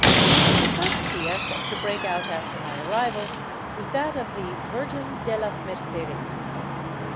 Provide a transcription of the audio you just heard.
The first fiesta to break out after my arrival was that of the " Virgen de las Mercedes."